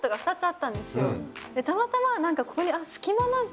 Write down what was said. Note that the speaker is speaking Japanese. たまたま。